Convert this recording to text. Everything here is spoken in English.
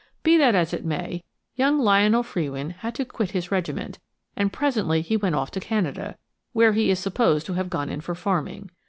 Be that as it may, young Lionel Frewin had to quit his regiment, and presently he went off to Canada, where he is supposed to have gone in for farming.